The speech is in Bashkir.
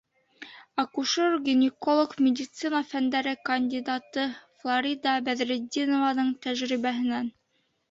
Акушер-гинеколог, медицина фәндәре кандидаты Фларида БӘҘРЕТДИНОВАНЫҢ тәжрибәһенән: